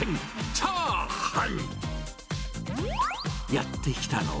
チャーハン。